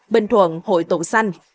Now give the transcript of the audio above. bình thuận hội tổng xanh